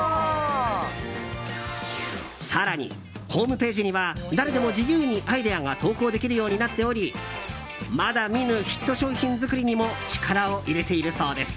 更に、ホームページには誰でも自由にアイデアが投稿できるようになっておりまだ見ぬヒット商品作りにも力を入れているそうです。